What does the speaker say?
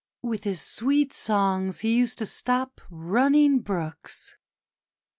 With his sweet songs he used to stop running brooks.